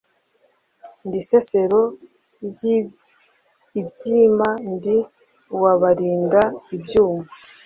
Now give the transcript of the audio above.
ndi sesero ry ibyima ndi uwabarinda ibyuma